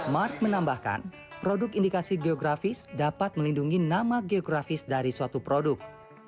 mark menambahkan produk indikasi geografis dapat melindungi nama geografis dari suatu produk